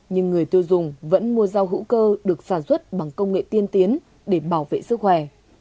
nhưng người tiêu dùng vẫn mua rau hữu cơ được sản xuất bằng công nghệ tiên tiến để bảo vệ sức khỏe